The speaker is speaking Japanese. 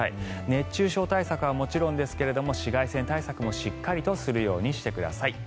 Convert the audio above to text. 熱中症対策はもちろんですけれど紫外線対策もしっかりとするようにしてください。